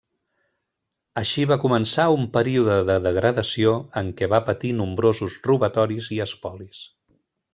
Així va començar un període de degradació en què va patir nombrosos robatoris i espolis.